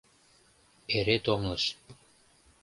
Эре томлыш.